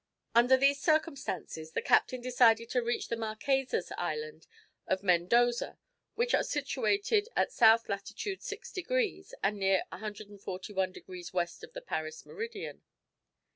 Under these circumstances, the captain decided to reach the Marquesas Islands of Mendoza which are situated in S. lat. 6 degrees, and near 141 degrees west of the Paris meridian.